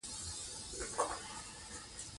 دا دښتې له افغان کلتور سره تړاو لري.